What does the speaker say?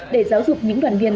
để giáo dục những đoàn viên